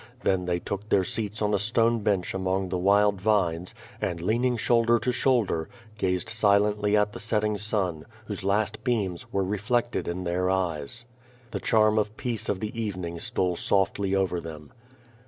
Then they took their seats on a stone bench among the wild vines, and lean ing shoulder to shoulder, gazed silently at the setting sun, whose last beams were reflected in their eyes. The charm of peace of the evening stole softly over them.